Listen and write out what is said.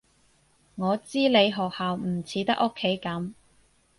我知你學校唔似得屋企噉